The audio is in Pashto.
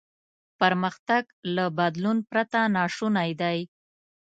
پرمختګ له بدلون پرته ناشونی دی.